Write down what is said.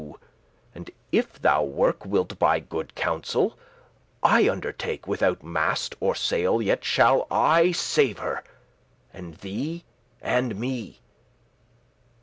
*repent And if thou worke wilt by good counseil, I undertake, withoute mast or sail, Yet shall I save her, and thee, and me.